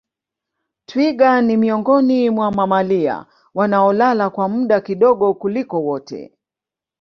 Twiga ni miongoni mwa mamalia wanaolala kwa muda kidogo kuliko wote